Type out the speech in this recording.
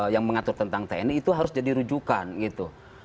yang mengatur tentang tni itu harus jadi rujukan gitu